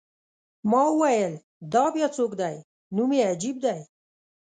ما وویل: دا بیا څوک دی؟ نوم یې عجیب دی.